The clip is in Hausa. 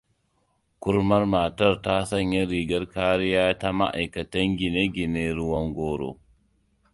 Kurmar matar ta sanya rigar kariya ta ma'aikatan gine-gine ruwan goro.